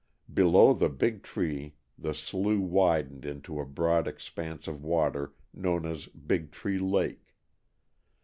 Below the Big Tree the slough widened into a broad expanse of water known as Big Tree Lake.